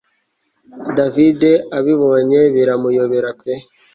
davide abibonye biramuyobera pe